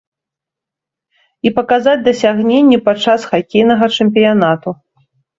І паказаць дасягненні падчас хакейнага чэмпіянату.